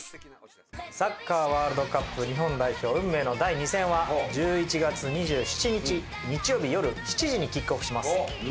サッカーワールドカップ日本代表運命の第２戦は１１月２７日日曜日よる７時にキックオフします。